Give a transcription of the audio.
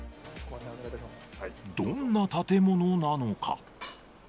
どんな建物なのか。